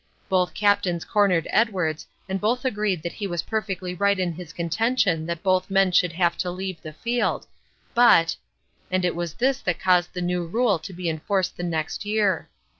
Both captains cornered Edwards and both agreed that he was perfectly right in his contention that both men should have to leave the field, but and it was this that caused the new rule to be enforced the next year.